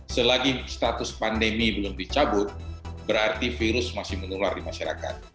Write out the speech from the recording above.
selagi status pandemi belum dicabut berarti virus masih menular di masyarakat